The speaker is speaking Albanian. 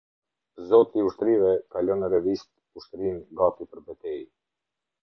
Zoti i ushtrive kalon në revistë ushtrinë gati për betejë.